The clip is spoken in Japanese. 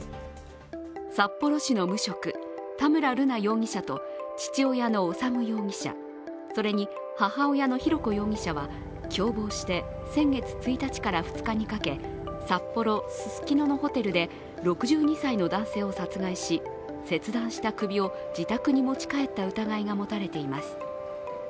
札幌市の無職、田村瑠奈容疑者と父親の修容疑者、それに母親の浩子容疑者は、共謀して先月１日から２日にかけ、札幌・ススキノのホテルで６２歳の男性を殺害し切断した首を自宅に持ち帰った疑いが持たれています。